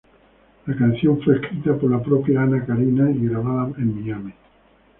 La canción fue escrita por la propia Anna Carina y grabada en Miami.